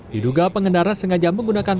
diduga pengendara sengaja menggunakan